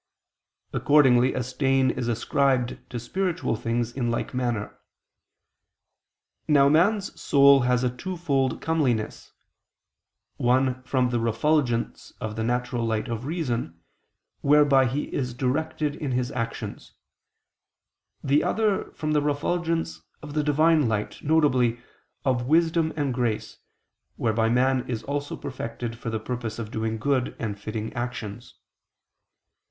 Accordingly a stain is ascribed to spiritual things in like manner. Now man's soul has a twofold comeliness; one from the refulgence of the natural light of reason, whereby he is directed in his actions; the other, from the refulgence of the Divine light, viz. of wisdom and grace, whereby man is also perfected for the purpose of doing good and fitting actions.